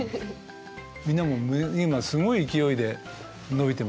みんなもう今すごい勢いで伸びてますね。